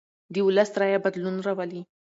د ولس رایه بدلون راولي